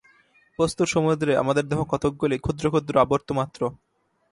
বস্তুর সমুদ্রে আমাদের দেহ কতকগুলি ক্ষুদ্র ক্ষুদ্র আবর্ত মাত্র।